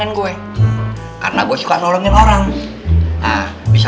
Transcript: tahu alamat kami geng air air